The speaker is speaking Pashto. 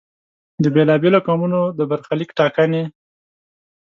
د بېلا بېلو قومونو د برخلیک ټاکنې.